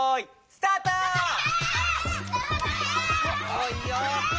おいいよ。